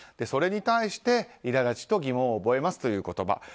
それに対して、いら立ちと疑問を覚えますという言葉。